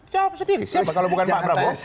jawab sendiri siapa kalau bukan pak prabowo